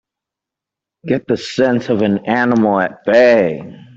Get the sense of an animal at bay!